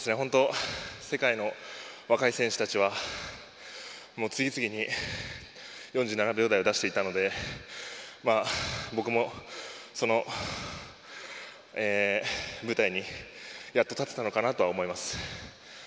世界の若い選手たちは次々に４７秒台を出していたので、僕もその舞台にやっと立てたのかなと思います。